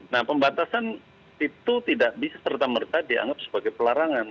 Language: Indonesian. nah pembatasan itu tidak bisa serta merta dianggap sebagai pelarangan